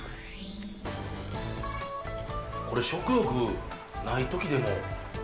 これ、食欲ないときでも。